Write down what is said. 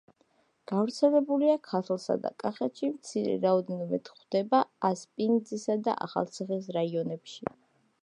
გავრცელებულია ქართლსა და კახეთში, მცირე რაოდენობით გვხვდება ასპინძისა და ახალციხის რაიონებში.